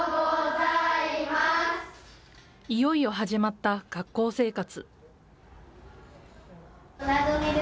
いよいよ始まった学校生活。